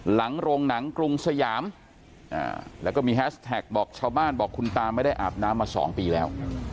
หลังโรงหนังกรุงสยามแล้วก็มีแฮสแท็กบอกชาวบ้านบอกคุณตาไม่ได้อาบน้ำมา๒ปีแล้ว